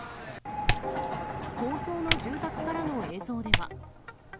高層の住宅からの映像では。